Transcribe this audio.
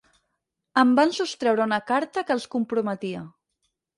Em van sostreure una carta que els comprometia.